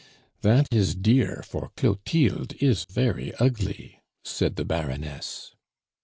"That is dear, for Clotilde is very ugly," said the Baroness.